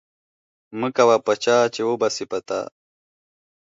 مکوه په چاه چې و به سي په تا.